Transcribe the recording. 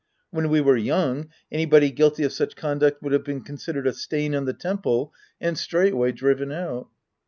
When we were young, anybody guilty of such con duct would have been considered a stain on the temple and straightway driven out.